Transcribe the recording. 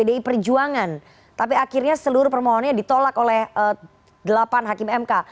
pdi perjuangan tapi akhirnya seluruh permohonannya ditolak oleh delapan hakim mk